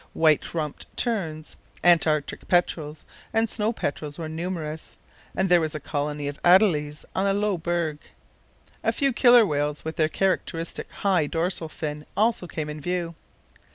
White rumped terns, Antarctic petrels and snow petrels were numerous, and there was a colony of adelies on a low berg. A few killer whales, with their characteristic high dorsal fin, also came in view.